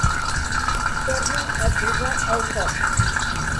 Torna a posar al foc.